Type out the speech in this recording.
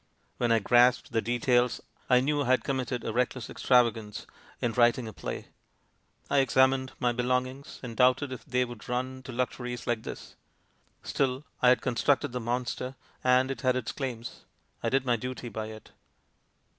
When I grasped the details I knew I had committed a reckless extravagance in writing a play. I examined my belongings, and doubted if they would run to luxuries like this. Still I had constructed the monster, and it had its claims. I did my duty by it.